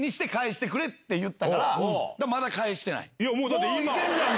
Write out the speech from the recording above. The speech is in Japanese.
だっていけるじゃん！